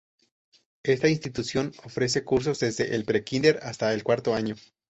Esta institución ofrece cursos desde el pre-kinder hasta el cuarto año.